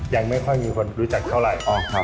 ยังไม่ค่อยมีคนรู้จักเขาอย่างไร